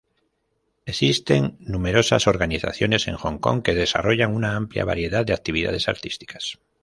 Existen numerosas organizaciones en Hong Kong que desarrollan una amplia variedad de actividades artísticas.